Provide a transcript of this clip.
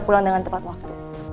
pulang dengan tepat waktu